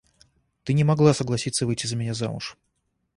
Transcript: Ты не могла согласиться выйти за меня замуж.